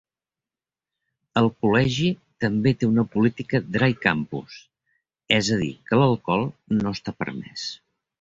El col·legi també té una política "dry campus", és a dir que l'alcohol no està permès.